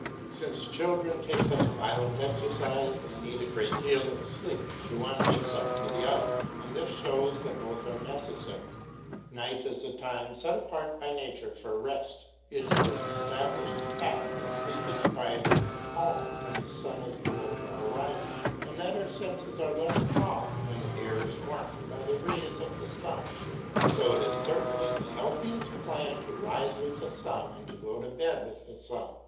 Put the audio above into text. Since children take such violent exercise they need a great deal of sleep. The one makes up for the other, and this shows that both are necessary. Night is the time set apart by nature for rest. It is an established fact that sleep is quieter and calmer when the sun is below the horizon, and that our senses are less calm when the air is warmed by the rays of the sun. So it is certainly the healthiest plan to rise with the sun and go to bed with the sun.